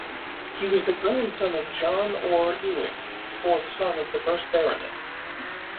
He was the grandson of John Orr-Ewing, fourth son of the first Baronet.